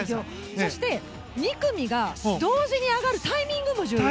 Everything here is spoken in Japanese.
そして、２組が同時に上がるタイミングも重要。